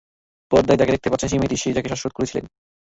পর্দায় যাকে দেখতে পাচ্ছেন এই মেয়েটাই সে যাকে শ্বাসরোধ করেছিলেন।